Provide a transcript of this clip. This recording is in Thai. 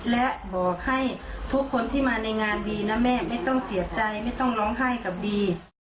และบอกให้ทุกคนที่มาในงานบีนะแม่ไม่ต้องเสียใจไม่ต้องร้องไห้กับบี